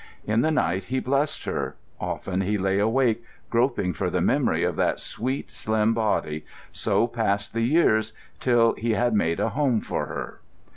In the night he blessed her; often he lay awake, groping for the memory of that sweet slim body.... So passed the years till he had made a home for her.